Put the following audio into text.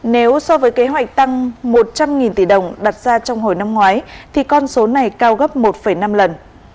nếu so với kế hoạch tăng một trăm linh tỷ đồng đặt ra trong hồi năm ngoái thì con số này cao gấp một năm lần